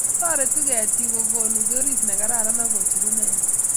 toretuu ketik kokonuu koris nekararan akucheru ne ya